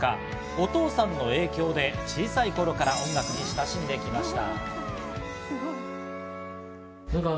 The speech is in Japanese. お父さんの影響で小さい頃から音楽に親しんできました。